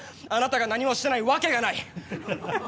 あなたが何もしてないわけがない！